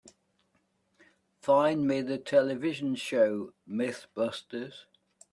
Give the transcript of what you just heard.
Find me the television show MythBusters